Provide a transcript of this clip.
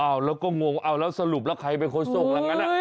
เอาแล้วก็งงว่าเอาแล้วสรุปแล้วใครเป็นคนส่งหลังนั้น